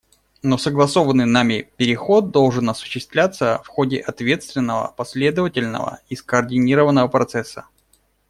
Но согласованный нами переход должен осуществляться в ходе ответственного, последовательного и скоординированного процесса.